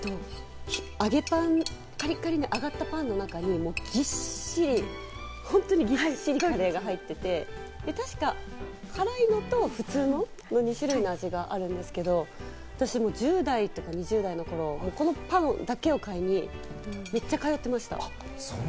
カリカリに揚がったパンの中に本当にぎっしりカレーが入っていて、確か、辛いのと普通の２種類の味があるんですけど、私、１０代とか２０代の頃、このパンだけを買いにめっちゃ通ってました。